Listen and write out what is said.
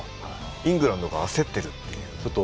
イングランドが焦っているという。